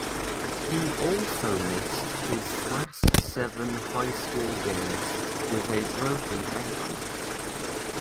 He also missed his last seven high school games with a broken ankle.